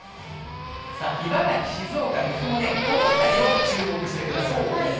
茨城、静岡、岐阜もこの辺りを注目してください。